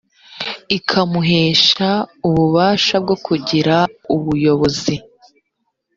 ikamuhesha ububasha bwo kugira ubuyobozi